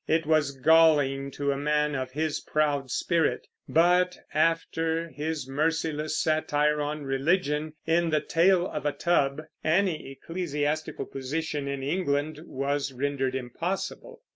It was galling to a man of his proud spirit; but after his merciless satire on religion, in The Tale of a Tub, any ecclesiastical position in England was rendered impossible.